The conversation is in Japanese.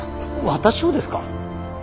私をですか！？